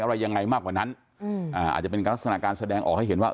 อะไรยังไงมากกว่านั้นอืมอ่าอาจจะเป็นลักษณะการแสดงออกให้เห็นว่า